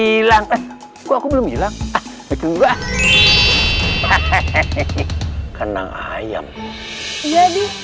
hilang aku belum hilang itu enggak hehehe hehehe hehehe hehehe kandang ayam jadi